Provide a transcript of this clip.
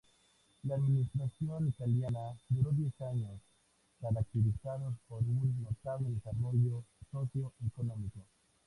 La administración italiana duró diez años, caracterizados por un notable desarrollo socio-económico.